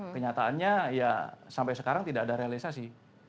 kenyataannya ya sampai sekarang tidak ada realisasi